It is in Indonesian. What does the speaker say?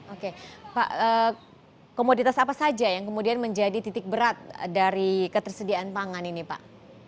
oke pak komoditas apa saja yang kemudian menjadi titik berat dari ketersediaan pangan ini pak